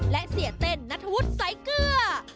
และเสียเต้นนัทวุฒิไซสเกลือ